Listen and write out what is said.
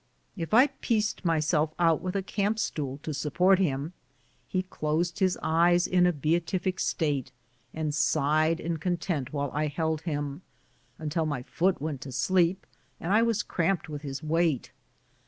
If I pieced myself out with a camp stool to support him, he closed his eyes in a beatific state and sighed in content while I held him, until my foot went to sleep and I was cramped with his weight.